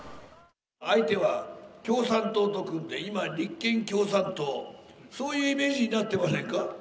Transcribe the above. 相手は共産党と組んで今、立憲共産党、そういうイメージになってませんか？